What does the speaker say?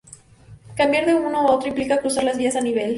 Cambiar de uno a otro implica cruzar las vías a nivel.